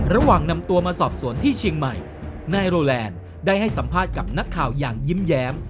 ระหว่างนำตัวมาสอบสวนที่เชียงใหม่นายโรแลนด์ได้ให้สัมภาษณ์กับนักข่าวอย่างยิ้มแย้ม